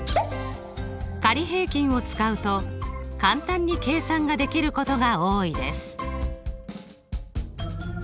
仮平均を使うと簡単に計算ができることが多いです。